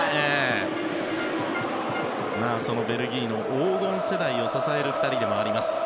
そのベルギーの黄金世代を支える２人でもあります。